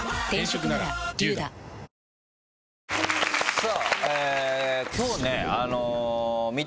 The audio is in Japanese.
さぁ今日ね。